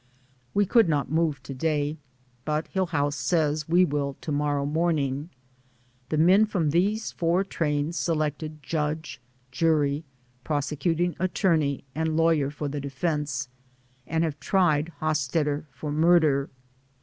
We could not move to day, but Hillhouse says we will to morrow morning. The men from these four trains elected judge, jury, prosecuting attorney and lawyer for the de fense, and have tried Hosstetter for murder.